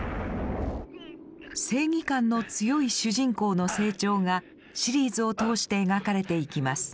正義感の強い主人公の成長がシリーズを通して描かれていきます。